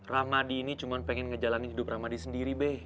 ramadi ini cuma pengen ngejalani hidup ramadi sendiri